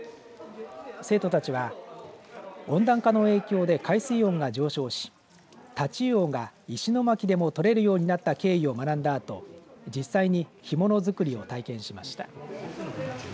生徒たちは温暖化の影響で海水温が上昇し太刀魚が石巻でも取れるようになった経緯を学んだあと実際に干物作りを体験しました。